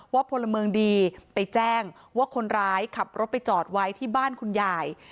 พลเมืองดีไปแจ้งว่าคนร้ายขับรถไปจอดไว้ที่บ้านคุณยาย